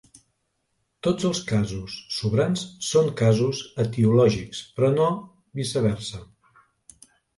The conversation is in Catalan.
Tots els casos sobrants són casos etiològics, però no viceversa.